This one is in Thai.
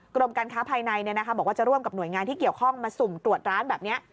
กรมการค้าภายในบอกว่าจะร่วมกับหน่วยงานที่เกี่ยวข้องมาสุ่มตรวจร้านแบบนี้